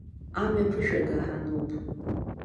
Амҩа ԥышәага ҳануп.